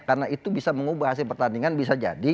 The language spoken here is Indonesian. karena itu bisa mengubah hasil pertandingan bisa jadi